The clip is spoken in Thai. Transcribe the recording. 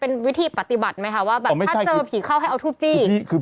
เป็นวิธีปฏิบัติไหมคะว่าแบบถ้าเจอผีเข้าให้เอาทูบจี้